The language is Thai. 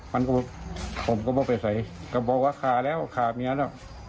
มันก็ผมก็ไม่ไปใส่ก็บอกว่าขาแล้วขาเมียแล้ว